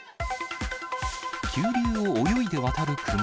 急流を泳いで渡るクマ。